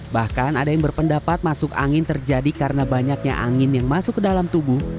bahkan ada yang berpendapat masuk angin terjadi karena banyaknya angin yang masuk ke dalam tubuh